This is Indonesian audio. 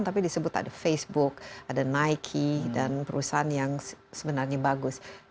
tapi disebut ada facebook ada nike dan perusahaan yang sebenarnya bagus